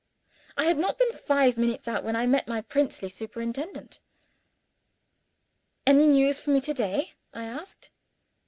I had not been five minutes out, before I met my princely superintendent. "Any news for me to day?" I asked.